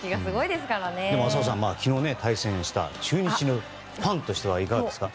でも浅尾さん、昨日対戦した中日のファンとしてはいかがですか？